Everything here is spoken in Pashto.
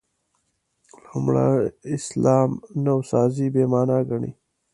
لومړي اسلام نوسازي «بې معنا» ګڼي.